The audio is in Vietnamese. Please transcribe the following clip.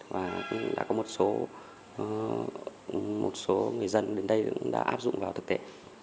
và đã có một số người dân đến đây đã áp dụng vào thực tế